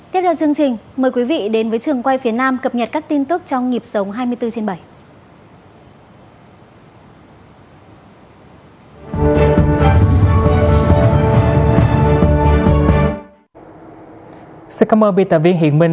tiếp theo chương trình mời quý vị đến với trường quay phía nam cập nhật các tin tức trong nhịp sống hai mươi bốn trên bảy